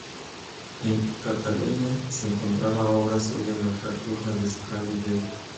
En Cataluña, se encontraba obra suya en la cartuja de Scala Dei.